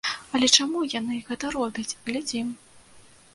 Але чаму яны гэта робяць, глядзім.